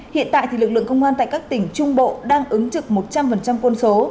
hiện tại thì lực lượng công an tại các tỉnh trung bộ đang ứng trực một trăm linh quân số